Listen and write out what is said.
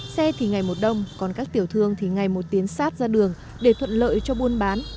xe thì ngày một đông còn các tiểu thương thì ngày một tiến sát ra đường để thuận lợi cho buôn bán